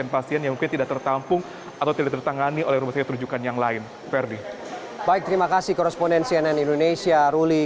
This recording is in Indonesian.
baik dari bagaimana